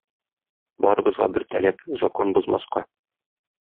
Барыбызга бер таләп - закон бозмаска.